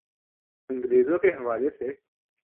انگریزوں کے حوالے سے۔